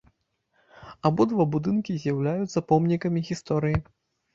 Абодва будынкі з'яўляюцца помнікамі гісторыі.